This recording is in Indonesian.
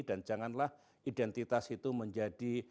dan janganlah identitas itu menjadi